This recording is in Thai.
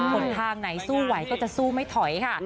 หนทางไหนสู้ไหวก็จะสู้ไม่ถอยค่ะ